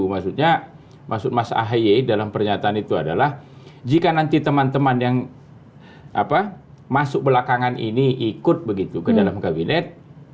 maksudnya maksud mas ahaye dalam pernyataan itu adalah jika nanti teman teman yang masuk belakangan ini ikut begitu ke dalam kabinet